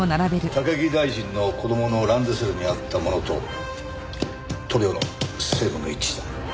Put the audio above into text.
高木大臣の子供のランドセルにあったものと塗料の成分が一致した。